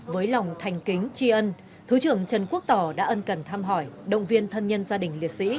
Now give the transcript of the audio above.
với lòng thành kính tri ân thứ trưởng trần quốc tỏ đã ân cần thăm hỏi động viên thân nhân gia đình liệt sĩ